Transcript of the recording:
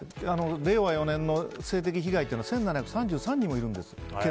令和４年の性的被害は１７３３人もいるんです。